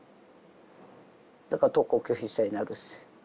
だから登校拒否生になるし。